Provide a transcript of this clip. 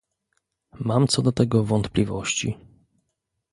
Mam co do tego wątpliwości